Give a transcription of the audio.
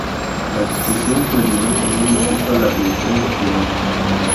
La discusión culminó con un insulto a la religión musulmana.